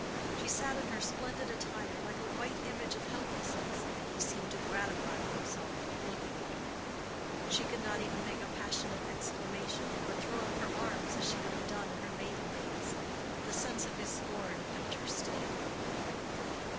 She sat in her splendid attire, like a white image of helplessness, and he seemed to gratify himself with looking at her. She could not even make a passionate exclamation, or throw up her arms, as she would have done in her maiden days. The sense of his scorn kept her still.